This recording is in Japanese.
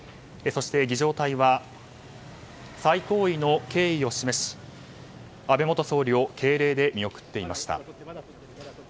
そして、儀仗隊は最高位の敬意を示し安倍元総理を敬礼で見送っていました。